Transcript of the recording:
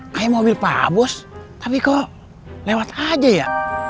hai mobil pabos tapi kok lewat aja ya